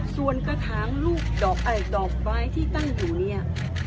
ส่วนกระถางลูกดอกไม้ที่ตั้งอยู่เนี่ย